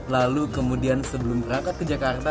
lalu kemudian sebelum berangkat ke jakarta